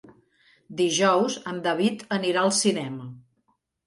Dijous en David anirà al cinema.